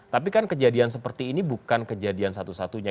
tapi kan kejadian seperti ini bukan kejadian satu satunya